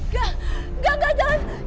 gak gak gak jangan